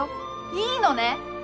いいのね？